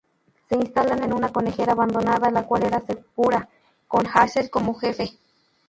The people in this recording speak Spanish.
Se instalan en una conejera abandonada la cual era segura, con Hazel como jefe.